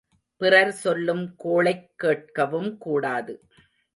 பிறர் சொல்லும் கோளைக் கேட்கவும் கூடாது.